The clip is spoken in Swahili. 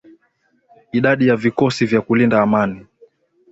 di ya vikosi vya kulinda amani